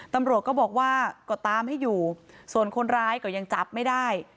ตำรวจก็บอกว่าก็ตามให้อยู่ส่วนคนร้ายก็ยังจับไม่ได้